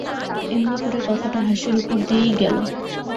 এমনি করে কথাটা হাসির উপর দিয়েই গেল।